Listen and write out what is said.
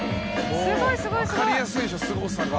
分かりやすいでしょすごさが。